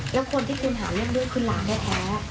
แล้วคนที่คุณหาเรื่องด้วยคือหลานแท้